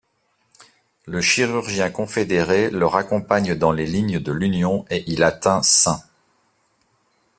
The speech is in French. Le chirurgien confédéré le raccompagne dans les lignes de l'Union et il atteint St.